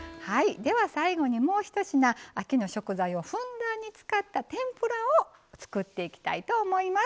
では、最後にもうひと品秋の食材をふんだんに使った天ぷらを作っていきたいと思います。